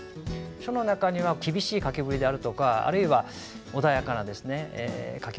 書の中には厳しい書きぶりであるとかあるいは穏やかな書きぶりとかですね